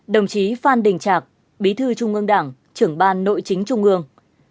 hai mươi hai đồng chí phan đình trạc bí thư trung ương đảng trưởng ban nội chính trung ương